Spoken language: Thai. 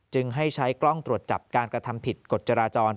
จึงให้ใช้กล้องตรวจจับการกระทำผิดกฎจราจร